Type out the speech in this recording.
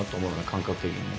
感覚的にね。